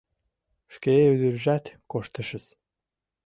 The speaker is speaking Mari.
Шке ӱдыржат коштешыс...